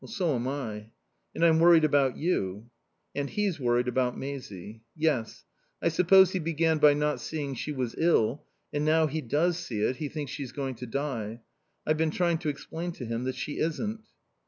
"So am I." "And I'm worried about you." "And he's worried about Maisie." "Yes. I suppose he began by not seeing she was ill, and now he does see it he thinks she's going to die. I've been trying to explain to him that she isn't."